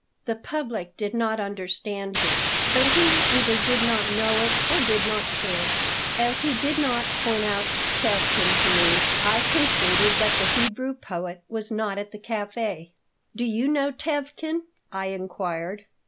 The public did not understand him, but he either did not know it or did not care As he did not point out Tevkin to me, I concluded that the Hebrew poet was not at the café "Do you know Tevkin?" I inquired.